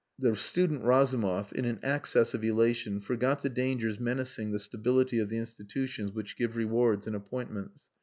The student Razumov in an access of elation forgot the dangers menacing the stability of the institutions which give rewards and appointments.